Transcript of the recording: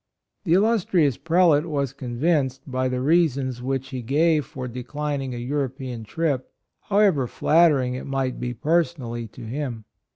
The illustrious Prelate was convinced by the reasons which he gave for declining a European trip, however flattering it might be per sonally to him.